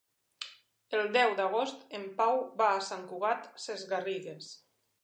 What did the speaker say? El deu d'agost en Pau va a Sant Cugat Sesgarrigues.